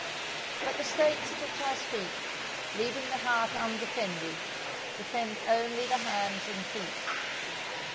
But the States of which I speak, leaving the heart undefended, defend only the hands and feet.